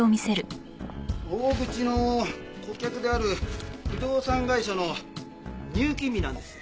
大口の顧客である不動産会社の入金日なんです。